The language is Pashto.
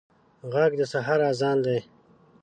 غږ د سحر اذان دی